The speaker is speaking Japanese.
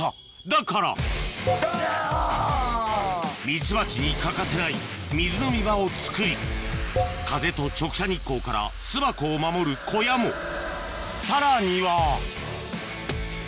ミツバチに欠かせない水飲み場を作り風と直射日光から巣箱を守る小屋もさらにはＯＫ。